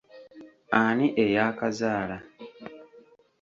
Ani ey’akazaala?